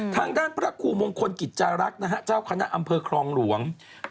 ทางด้านพระครูมงคลกิจจารักษ์นะฮะเจ้าคณะอำเภอครองหลวง